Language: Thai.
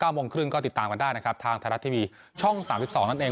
โมงครึ่งก็ติดตามกันได้นะครับทางไทยรัฐทีวีช่อง๓๒นั่นเอง